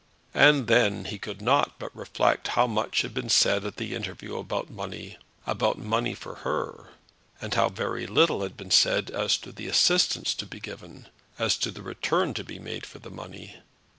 And then he could not but reflect how much had been said at the interview about money, about money for her, and how very little had been said as to the assistance to be given, as to the return to be made for the money.